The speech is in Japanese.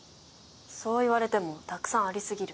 そう言われてもたくさんありすぎる。